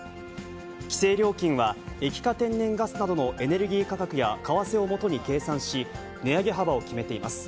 規制料金は液化天然ガスなどのエネルギー価格や為替をもとに計算し、値上げ幅を決めています。